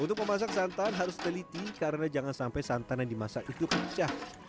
untuk memasak santan harus teliti karena jangan sampai santan yang dimasak itu kecah